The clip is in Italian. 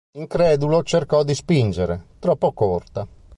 Incredulo, cercò di spingere: troppo corta!